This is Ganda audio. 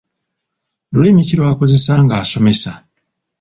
Lulimi ki lw’akozesa ng’asomesa?